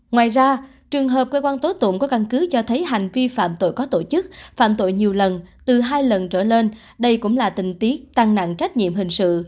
ngoài ra trường hợp cơ quan tố tụng có căn cứ cho thấy hành vi phạm tội có tổ chức phạm tội nhiều lần từ hai lần trở lên đây cũng là tình tiết tăng nặng trách nhiệm hình sự